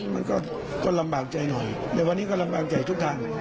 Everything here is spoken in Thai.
มันก็ลำบากใจหน่อยแต่วันนี้ก็ลำบากใจทุกทาง